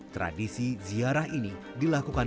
tradisi ziarah ini dilakukan